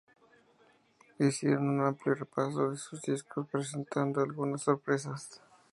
Hicieron un amplio repaso de sus discos presentando algunas sorpresas.